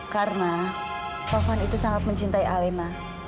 karena taufan itu sangat mencintai alina